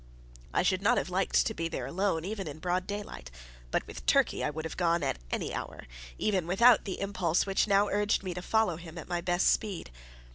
I should not have liked to be there alone even in the broad daylight. But with Turkey I would have gone at any hour, even without the impulse which now urged me to follow him at my best speed.